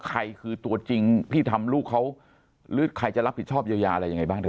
ใครคือตัวจริงที่ทำลูกเขาหรือใครจะรับผิดชอบเยียวยาอะไรยังไงบ้าง